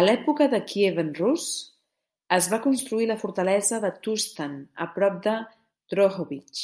A l'època de Kievan Rus, es va construir la fortalesa de Tustan a prop de Drohobych.